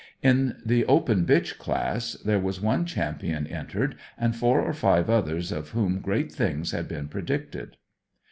In the Open bitch class there was one champion entered, and four or five others of whom great things had been predicted.